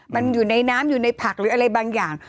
มันอยู่ในน้ำอยู่ในผักหรืออะไรบางอย่าง